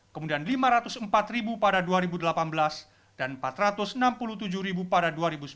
kemudian lima ratus empat ribu pada dua ribu delapan belas dan empat ratus enam puluh tujuh ribu pada dua ribu sembilan belas